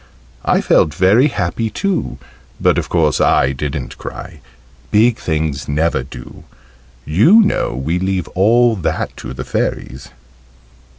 I felt very happy too, but of course I didn't cry: "big things" never do, you know we leave all that to the Fairies.